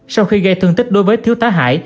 sau khi gây thương tích đối với thiếu tá hải